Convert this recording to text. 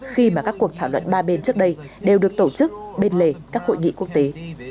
khi mà các cuộc thảo luận ba bên trước đây đều được tổ chức bên lề các hội nghị quốc tế